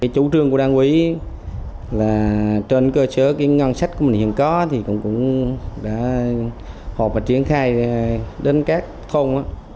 chủ trương của đảng quỹ là trên cơ sở ngân sách của mình hiện có thì cũng đã họp và triển khai đến các thôn